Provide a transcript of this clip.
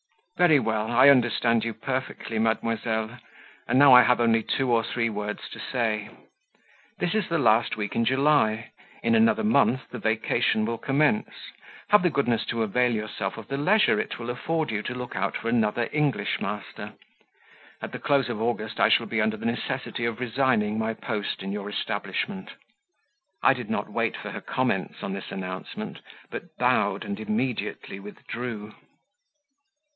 "Very well; I understand you perfectly, mademoiselle, and now I have only two or three words to say. This is the last week in July; in another month the vacation will commence, have the goodness to avail yourself of the leisure it will afford you to look out for another English master at the close of August, I shall be under the necessity of resigning my post in your establishment." I did not wait for her comments on this announcement, but bowed and immediately withdrew.